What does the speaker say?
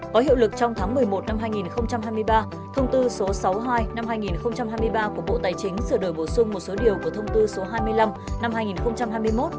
có hiệu lực trong tháng một mươi một năm hai nghìn hai mươi ba thông tư số sáu mươi hai năm hai nghìn hai mươi ba của bộ tài chính sửa đổi bổ sung một số điều của thông tư số hai mươi năm năm hai nghìn hai mươi một